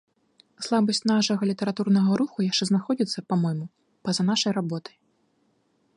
Слабасць нашага літаратурнага руху яшчэ знаходзіцца, па-мойму, па-за нашай работай.